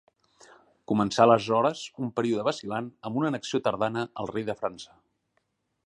Començà aleshores un període vacil·lant amb una annexió tardana al rei de França.